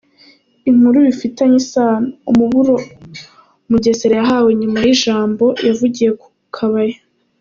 Inkuru bifitanye isano:Umuburo Mugesera yahawe nyuma y’ijambo yavugiye ku Kabaya.